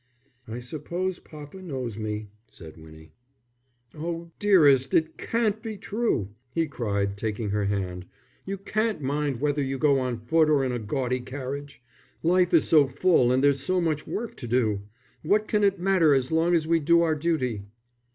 "I suppose papa knows me," said Winnie. "Oh, dearest, it can't be true," he cried, taking her hand. "You can't mind whether you go on foot or in a gaudy carriage. Life is so full and there's so much work to do. What can it matter so long as we do our duty?"